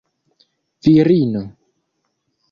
virino